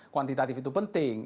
kuantitatif itu penting